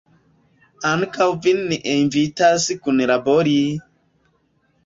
Ankaŭ vin ni invitas kunlabori!